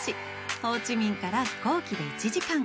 ホーチミンから飛行機で１時間。